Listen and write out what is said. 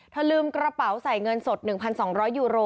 ลืมกระเป๋าใส่เงินสด๑๒๐๐ยูโร